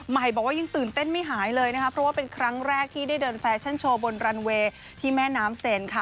บอกว่ายังตื่นเต้นไม่หายเลยนะคะเพราะว่าเป็นครั้งแรกที่ได้เดินแฟชั่นโชว์บนรันเวย์ที่แม่น้ำเซนค่ะ